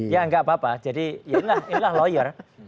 ya gak apa apa jadi inilah lawyer